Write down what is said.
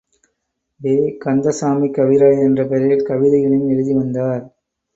வே. கந்த சாமிக் கவிராயர் என்ற பெயரில் கவிதைகளையும் எழுதி வந்தார்.